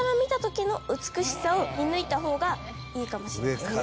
はい。を見抜いた方がいいかもしれません。